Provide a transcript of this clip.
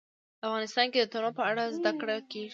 افغانستان کې د تنوع په اړه زده کړه کېږي.